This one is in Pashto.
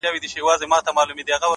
نیک اخلاق خاموش عزت زېږوي؛